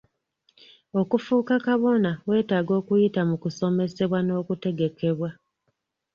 Okufuuka kabona weetaaga okuyita mu kusomesebwa n'okutegekebwa.